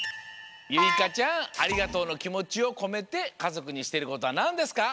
ゆいかちゃんありがとうのきもちをこめてかぞくにしていることはなんですか？